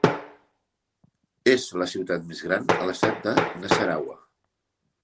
És la ciutat més gran a l'estat de Nasarawa.